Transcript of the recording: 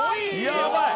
やばい！